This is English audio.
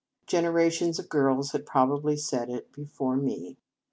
Gen erations of girls had probably said it before us.